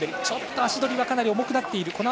ちょっと足取りが重くなっている。